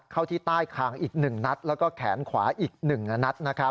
เข้าที่ใต้คางอีกหนึ่งนัดแล้วก็แขนขวาอีกหนึ่งนัด